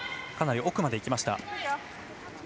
かなり奥までいきました。